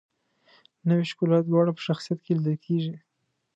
نوې ښکلا دواړه په شخصیت کې لیدل کیږي.